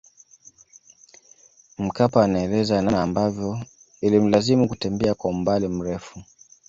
Mkapa anaeleza namna ambavyo ilimlazimu kutembea kwa umbali mrefu